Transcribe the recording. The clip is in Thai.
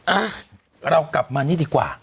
อ่ะเรากลับมานี่ดีกว่า